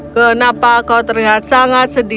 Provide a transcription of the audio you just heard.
kenapa kau terlihat sangat sedih